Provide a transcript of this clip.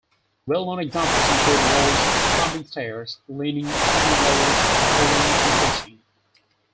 Well-known examples include "walls", "climbing stairs", "leaning", "descending ladders", and "pulling and pushing".